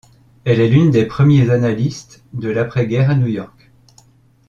Elle est l'une des premiers analystes de l'après-guerre à New York.